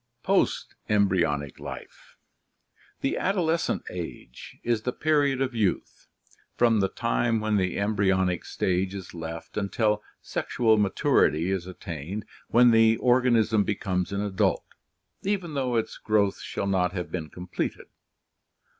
Post embryonic Life. — The adolescent age is the period of youth, from the time when the embryonic stage is left until sexual maturity is attained, when the organism becomes an adult, even though its growth shall not have been completed.